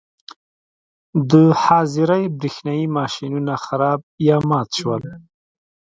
د حاضرۍ برېښنايي ماشینونه خراب یا مات شول.